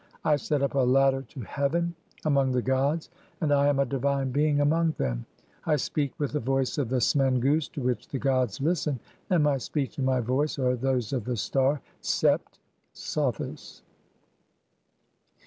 I set up a ladder to heaven among the "gods, and I am a divine being among them. I speak with the "voice of (12) the smen goose to which the gods listen, and "mv speech and my voice are those of the star Sept (Sothis)."